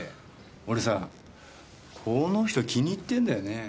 俺さこの人気に入ってんだよね。